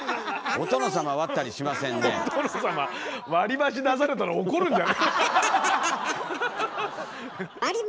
お殿様割り箸出されたら怒るんじゃない？